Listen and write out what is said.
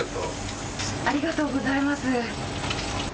ありがとうございます。